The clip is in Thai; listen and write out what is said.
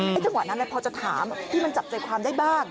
จังหวะนั้นพอจะถามที่มันจับใจความได้บ้าง